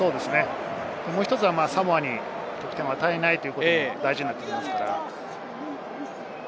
もう１つは、サモアに得点を与えないということが大事になってきますから。